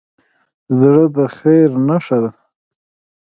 زړه د خیر نښه ده.